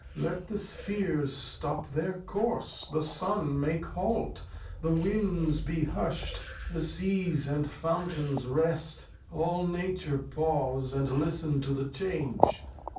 Let the Spheres stop their Course, the Sun make Hault, The Winds be husht, the Seas and Fountains rest ; All Nature pause, and listen to the Change.